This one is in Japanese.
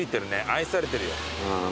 愛されてるよ。